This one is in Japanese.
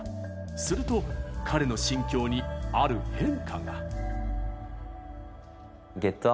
すると、彼の心境にある変化が。